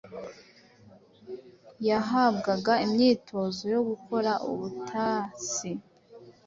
yahabwaga imyitozo yo gukora ubutasi